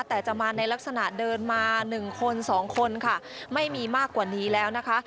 แต่จะมาในลักษณะเดินมา๑คน๒คนค่ะไม่มีมากกว่านี้แล้วนะคะ